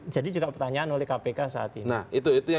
jadi juga pertanyaan oleh kpk saat ini